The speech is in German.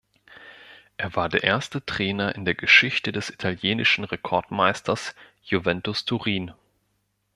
Er war der erste Trainer in der Geschichte des italienischen Rekordmeisters Juventus Turin.